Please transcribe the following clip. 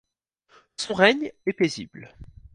Son règne est paisible.